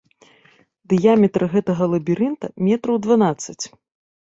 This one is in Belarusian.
Дыяметр гэтага лабірынта метраў дванаццаць.